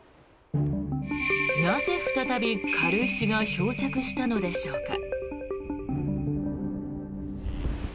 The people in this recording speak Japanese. なぜ、再び軽石が漂着したのでしょうか。